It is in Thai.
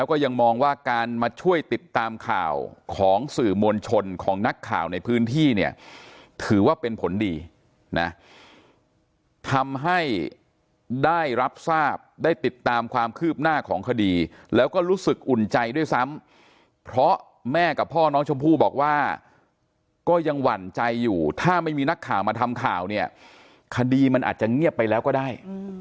แล้วก็ยังมองว่าการมาช่วยติดตามข่าวของสื่อมวลชนของนักข่าวในพื้นที่เนี่ยถือว่าเป็นผลดีนะทำให้ได้รับทราบได้ติดตามความคืบหน้าของคดีแล้วก็รู้สึกอุ่นใจด้วยซ้ำเพราะแม่กับพ่อน้องชมพู่บอกว่าก็ยังหวั่นใจอยู่ถ้าไม่มีนักข่าวมาทำข่าวเนี่ยคดีมันอาจจะเงียบไปแล้วก็ได้